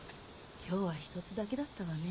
今日は１つだけだったわね